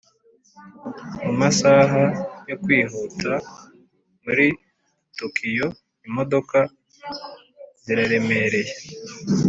mu masaha yo kwihuta muri tokiyo, imodoka ziraremereye.